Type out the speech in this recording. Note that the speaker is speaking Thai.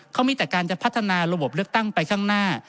เขามีแต่การจะพัฒนาระบบเลือกตั้งไปข้างหน้า